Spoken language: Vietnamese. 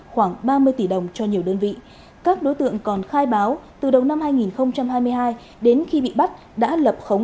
khoảng ba mươi tỷ đồng cho nhiều đơn vị các đối tượng còn khai báo từ đầu năm hai nghìn hai mươi hai đến khi bị bắt đã lập khống